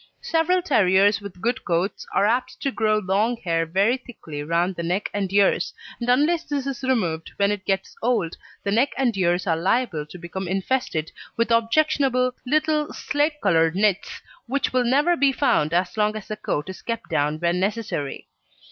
Several terriers with good coats are apt to grow long hair very thickly round the neck and ears, and unless this is removed when it gets old, the neck and ears are liable to become infested with objectionable little slate coloured nits, which will never be found as long as the coat is kept down when necessary.